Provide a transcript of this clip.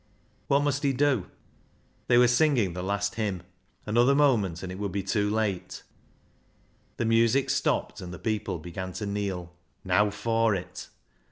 What must he do? They were singing the last hymn. Another moment and it would be too late. The music stopped, and the people began to kneel. Now for it